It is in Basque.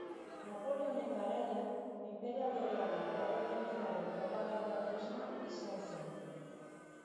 Napoleonen garaian, enperadorearen erregimenaren propaganda tresna izan zen.